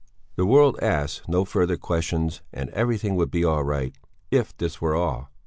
The world asks no further questions, and everything would be all right if this were all.